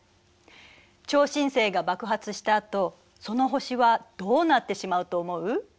超新星が爆発したあとその星はどうなってしまうと思う？